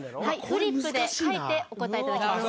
フリップで書いてお答えいただきます